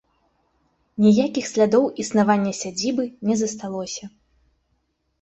Ніякіх слядоў існавання сядзібы не засталося.